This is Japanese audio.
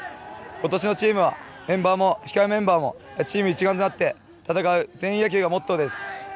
ことしのチームはメンバーも控えメンバーもチーム一丸となって戦う全員野球がモットーです。